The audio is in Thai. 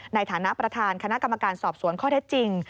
ในฐานะประธานคณะกรรมการสอบสวนข้อเท็จจริง